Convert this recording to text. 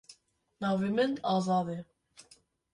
Navê min Azad e.